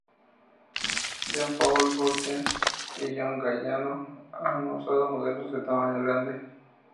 Jean-Paul Gaultier y John Galliano han usado modelos de tamaño grande.